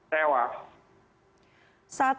saat itu orang orang yang dibuat ini kecewa